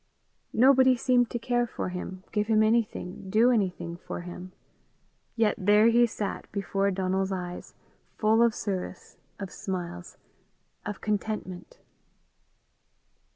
Nobody seemed to care for him, give him anything, do anything for him. Yet there he sat before Donal's eyes, full of service, of smiles, of contentment.